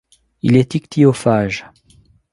Il est ichtyophage.